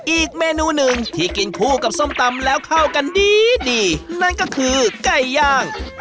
อีกเมนูหนึ่งที่กินคู่กับส้มตำแล้วเข้ากันดีดีนั่นก็คือไก่ย่าง